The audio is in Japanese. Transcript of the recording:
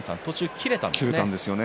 切れたんです。